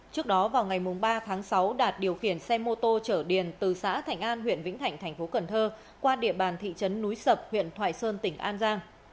trước đó vào ngày ba tháng sáu đạt điều khiển xe mô tô chở điền từ xã thành an huyện vĩnh thạnh tp cn qua địa bàn thị trấn núi sập huyện thoại sơn tỉnh an giang